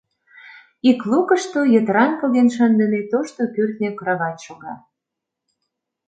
Ик лукышто йытыран поген шындыме тошто кӱртньӧ кровать шога.